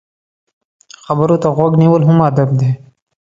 خبرو ته غوږ نیول هم ادب دی.